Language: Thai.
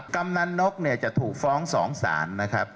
กำหนันนกจะถูกฟ้อง๒สาร